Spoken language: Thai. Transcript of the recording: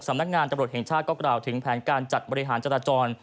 สำนักงานตำรวจแห่งชาติก็กล่าวถึงแผนการจัดบริหารจราจร